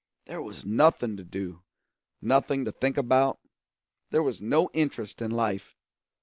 There was nothing to do, nothing to think about; there was no interest in life.